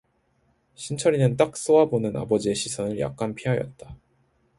신철이는 딱 쏘아보는 아버지의 시선을 약간 피하였다.